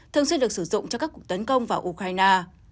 nên được sử dụng cho các cuộc tấn công vào ukraine